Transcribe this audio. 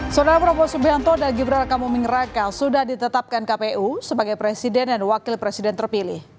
saudara prabowo subianto dan gibran raka buming raka sudah ditetapkan kpu sebagai presiden dan wakil presiden terpilih